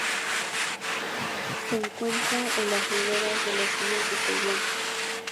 Se encuentra en las riveras de los ríos en Taiwán.